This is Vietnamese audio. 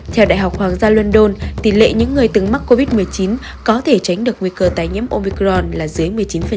theo đại học hoàng gia london tỷ lệ những người từng mắc covid một mươi chín có thể tránh được nguy cơ tái nhiễm omicron là dưới một mươi chín